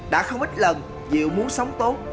đã không ít lần diệu muốn sống tốt